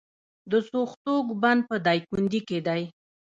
د سوختوک بند په دایکنډي کې دی